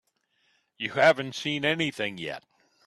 You haven't seen anything yet.